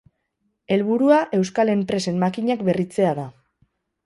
Helburua euskal enpresen makinak berritzea da.